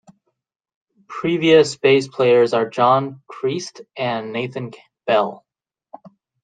Previous bass players are John Chriest and Nathan Bell.